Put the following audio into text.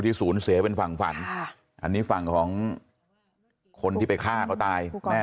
ศูนย์เสียเป็นฝั่งฝันอันนี้ฝั่งของคนที่ไปฆ่าเขาตายแม่